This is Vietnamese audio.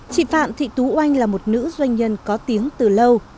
chị phạm thị tú oanh là một nữ doanh nhân có tiếng từ lâu